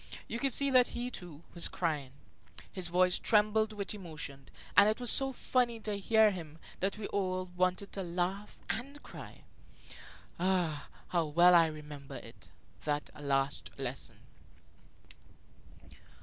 You could see that he, too, was crying; his voice trembled with emotion, and it was so funny to hear him that we all wanted to laugh and cry. Ah, how well I remember it, that last lesson!